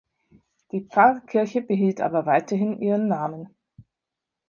Die Pfarrkirche behielt aber weiterhin ihren Namen.